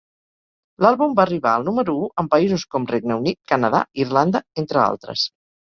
L'àlbum va arribar al número u en països com Regne Unit, Canadà, Irlanda, entre altres.